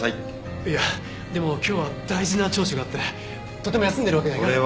いやでも今日は大事な聴取があってとても休んでるわけには。